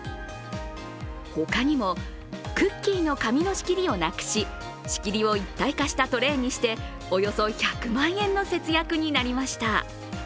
他にも、クッキーの紙の仕切りをなくし、仕切りを一体化したトレーにしておよそ１００万円の節約になりました。